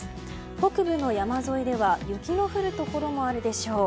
北部の山沿いでは雪の降るところもあるでしょう。